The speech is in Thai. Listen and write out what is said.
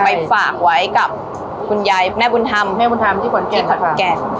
ไปฝากไว้กับคุณยายแม่บุญธรรมแม่บุญธรรมที่ขอนแก่นขอนแก่น